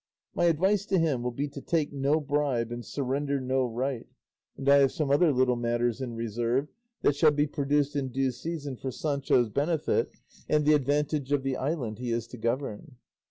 My advice to him will be to take no bribe and surrender no right, and I have some other little matters in reserve, that shall be produced in due season for Sancho's benefit and the advantage of the island he is to govern."